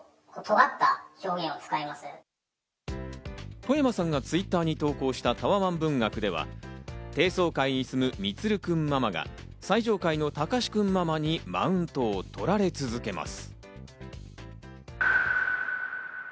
外山さんがＴｗｉｔｔｅｒに投稿したタワマン文学では、低層階に住む、みつる君ママが最上階のたかし君ママにマウントを取られ続けます。